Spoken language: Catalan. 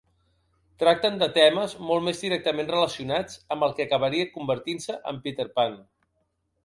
Tracten de temes molt més directament relacionats amb el que acabaria convertint-se en Peter Pan.